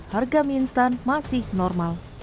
harga mie instan masih normal